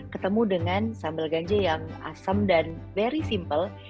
ketemu dengan sambal ganja yang asem dan very simple